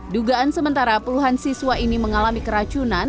dugaan sementara puluhan siswa ini mengalami keracunan